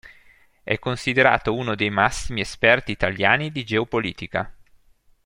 È considerato uno dei massimi esperti italiani di geopolitica.